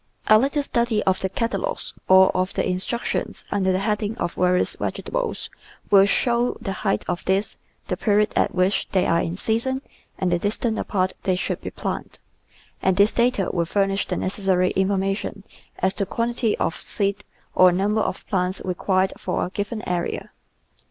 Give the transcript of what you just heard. A little study of the catalogues or of the instruc tions under the heading of various vegetables will show the height of these, the period at which they are in season, and the distance apart they should be planted, and this data will furnish the necessary information as to quantity of seed or number of plants required for a given area.